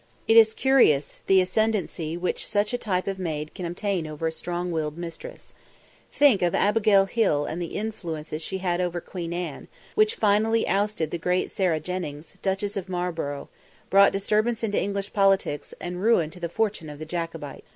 It is curious, the ascendancy which such a type of maid can obtain over a strong willed mistress. Think of Abigail Hill and the influence she had over Queen Anne, which finally ousted the great Sarah Jennings, Duchess of Marlborough, brought disturbance into English politics and ruin to the fortune of the Jacobites.